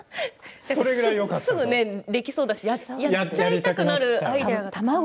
すぐにできそうだしやっちゃいたくなるアイデアですね。